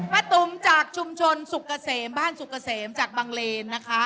ตุ๋มจากชุมชนสุกเกษมบ้านสุกเกษมจากบังเลนนะคะ